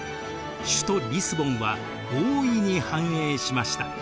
首都リスボンは大いに繁栄しました。